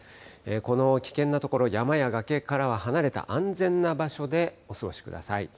この危険なところ、山や崖からは離れた安全な場所でお過ごしください。